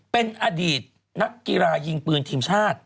เป็นอดีตนักกีฬายิงปืนทีมชาติ